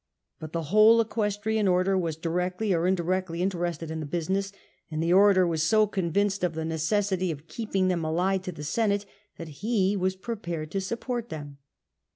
But the whole Equestrian Order was directly or indirectly interested in the business, and the orator was so convinced of the necessity of keep ing them allied to the Senate, that he was prepared to support them.